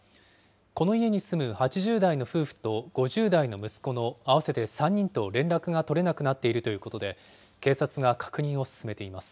この家に住む８０代の夫婦と５０代の息子の合わせて３人と連絡が取れなくなっているということで、警察が確認を進めています。